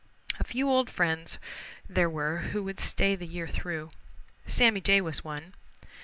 A few old friends there were who would stay the year through. Sammy Jay was one.